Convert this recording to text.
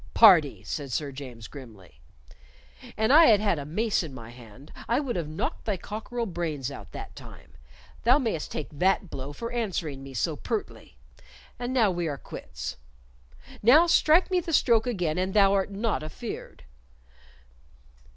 "Pardee!" said Sir James, grimly. "An I had had a mace in my hand, I would have knocked thy cockerel brains out that time. Thou mayst take that blow for answering me so pertly. And now we are quits. Now strike me the stroke again an thou art not afeard."